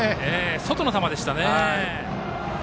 外の球でしたね。